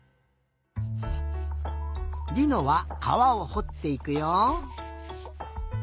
りのはかわをほっていくよ。